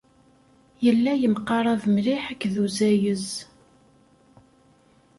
Yella yemqarab mliḥ akked uzayez.